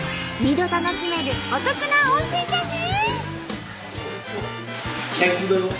２度楽しめるお得な温泉じゃね！